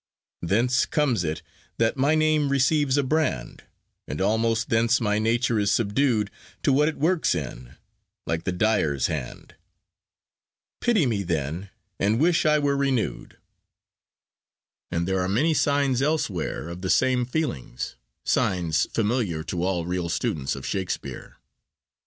Thence comes it that my name receives a brand, And almost thence my nature is subdued To what it works in, like the dyer's hand: Pity me then and wish I were renew'd— and there are many signs elsewhere of the same feeling, signs familiar to all real students of Shakespeare.